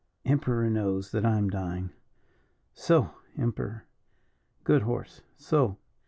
"Emperor knows that I am dying. Soh! Emperor, good horse. Soh!